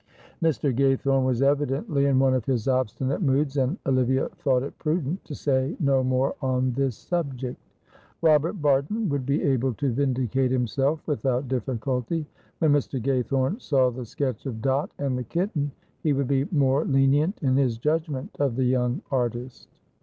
Mr. Gaythorne was evidently in one of his obstinate moods, and Olivia thought it prudent to say no more on this subject. Robert Barton would be able to vindicate himself without difficulty. When Mr. Gaythorne saw the sketch of Dot and the kitten he would be more lenient in his judgment of the young artist.